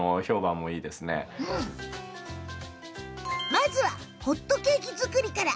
まずはホットケーキ作りから。